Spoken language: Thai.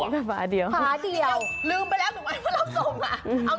ลืมไปแล้วหรือไม่ว่าเราส่ง